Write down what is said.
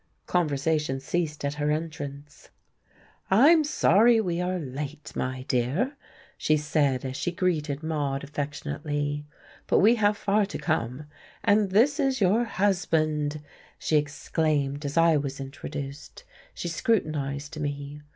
Conversation ceased at her entrance. "I'm sorry we are late, my dear," she said, as she greeted Maude affectionately, "but we have far to come. And this is your husband!" she exclaimed, as I was introduced. She scrutinized me.